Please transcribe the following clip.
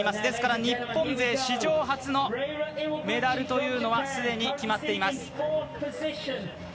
ですから日本勢史上初のメダルはすでに決まっています。